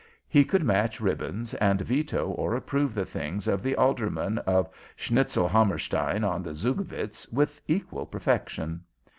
He could match ribbons and veto or approve the doings of the aldermen of Schnitzelhammerstein on the Zugvitz with equal perfection.